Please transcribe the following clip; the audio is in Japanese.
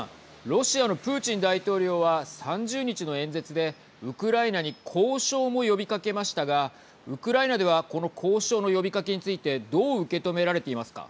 ロシアのプーチン大統領は３０日の演説でウクライナに交渉も呼びかけましたがウクライナではこの交渉の呼びかけについてどう受け止められていますか。